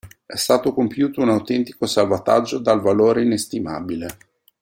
È stato compiuto un autentico salvataggio dal valore inestimabile.